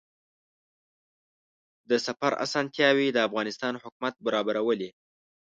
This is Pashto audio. د سفر اسانتیاوې د افغانستان حکومت برابرولې.